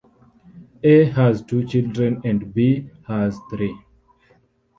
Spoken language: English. A has two children, and B has three.